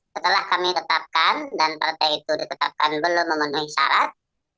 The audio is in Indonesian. setelah kami tetapkan dan partai itu ditetapkan belum memenuhi syarat